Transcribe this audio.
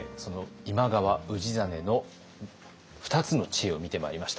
今川氏真の２つの知恵を見てまいりました。